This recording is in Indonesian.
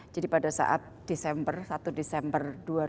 jadi pada saat desember satu desember dua ribu dua puluh satu